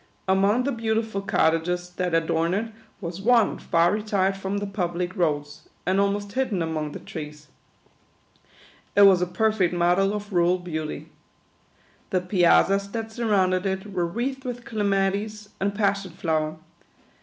Among the beautiful cottages that adorn it was one far retired from the pub lic roads, and almost hidden among the trees. It was a perfect model of rural beauty. The piazzas that surrounded it were wreathed with Clematis and Pas sion Flower.